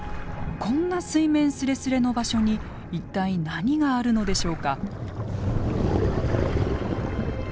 こんな水面すれすれの場所に一体何があるのでしょうか？